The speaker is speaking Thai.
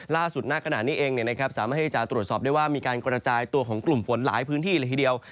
ณขณะนี้เองสามารถที่จะตรวจสอบได้ว่ามีการกระจายตัวของกลุ่มฝนหลายพื้นที่เลยทีเดียว